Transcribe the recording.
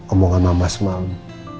omongan mama semalem